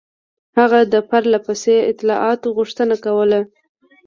هغه د پرله پسې اطلاعاتو غوښتنه کوله.